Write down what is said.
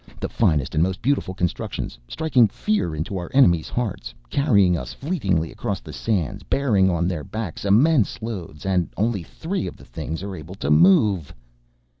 "The finest and most beautiful of constructions, striking fear into our enemies' hearts, carrying us fleetly across the sands, bearing on their backs immense loads and only three of the things are able to move."